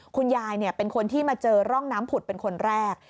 คุณยายเป็นคนที่มาเจอร่องน้ำผุดเป็นคนแรก